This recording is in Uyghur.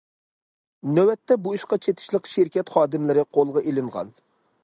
نۆۋەتتە، بۇ ئىشقا چېتىشلىق شىركەت خادىملىرى قولغا ئېلىنغان.